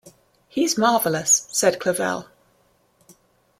"He's marvelous," said Clavell.